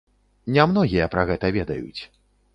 Не многія пра гэта ведаюць.